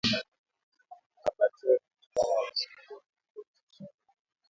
Abatiaki chandarua mupya kama auja itosha inje